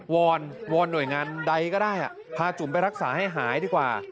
วอนหน่วยงานใดก็ได้พาจุ๋มไปรักษาให้หายดีกว่า